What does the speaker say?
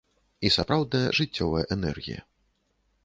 І сапраўдная жыццёвая энергія.